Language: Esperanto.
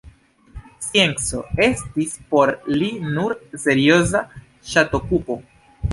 Scienco estis por li nur serioza ŝatokupo.